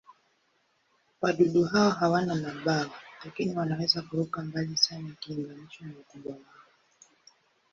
Wadudu hao hawana mabawa, lakini wanaweza kuruka mbali sana ikilinganishwa na ukubwa wao.